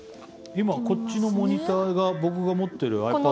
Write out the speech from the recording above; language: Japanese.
今こっちのモニターが僕が持ってるｉＰａｄかな。